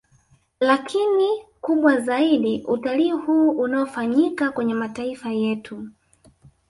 Lakini kubwa zaidi utalii huu unaofanyika kwenye mataifa yetu